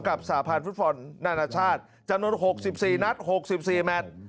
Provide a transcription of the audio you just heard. กับสหพาลฟุตฟอลนานาชาติจำนวนหกสิบสี่นัดหกสิบสี่แมตร